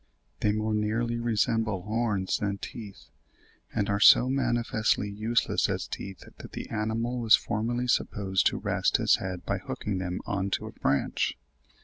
They more nearly resemble horns than teeth, and are so manifestly useless as teeth that the animal was formerly supposed to rest his head by hooking them on to a branch!